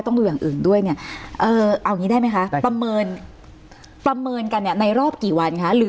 ดูอย่างอื่นด้วยเนี่ยเอาอย่างนี้ได้ไหมคะประเมินกันเนี่ยในรอบกี่วันคะหรือ